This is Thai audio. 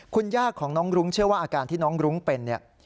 คุณย่าของน้องรุ้งเชื่อว่าอาการที่น้องรุ้งเป็นเนี่ย